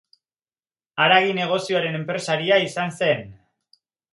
Haragi negozioaren enpresaria izan zen.